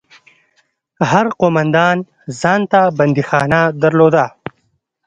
هر قومندان ځان ته بنديخانه درلوده.